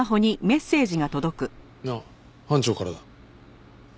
あっ班長からだ。